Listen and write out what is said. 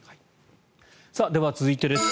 では、続いてです。